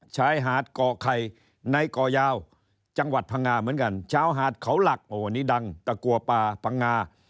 ชายหาดก่อไข่ในก่อยาวจังหวัดพังงาเหมือนกันชาวหาดเขาหลักโอ้นี่ดังตะกัวป่าพังงา